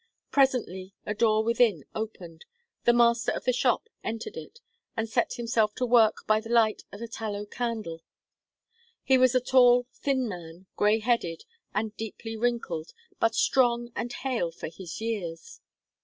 Presently a door within opened, the master of the shop entered it, and set himself to work by the light of a tallow candle. He was a tall, thin man, grey headed and deeply wrinkled, but strong and hale for his years.